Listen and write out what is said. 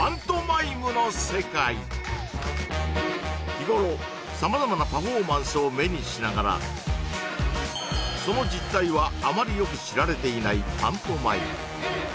日頃様々なパフォーマンスを目にしながらその実態はあまりよく知られていないパントマイム